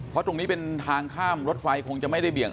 เพราะตรงนี้เป็นทางข้ามรถไฟคงจะไม่ได้เบี่ยง